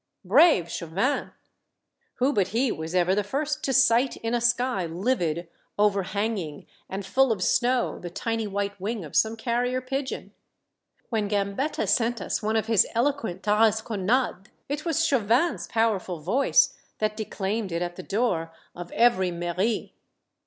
Brave Chauvin ! Who but he was ever the first to sight in a sky livid, overhanging, and full of snow, the tiny white wing of some carrier pigeon ! When Gambetta sent us one of his eloquent Taras connades, it was Chauvin's powerful voice that de claimed it at the door of every mairie.